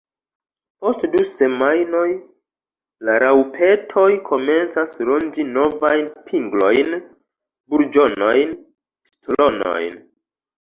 Post du semajnoj la raŭpetoj komencas ronĝi novajn pinglojn, burĝonojn, stolonojn.